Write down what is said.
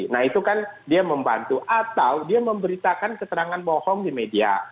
nah itu kan dia membantu atau dia memberitakan keterangan bohong di media